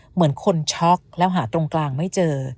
เหมือนคนช็อกแล้วหาตรงกลางไม่เจอ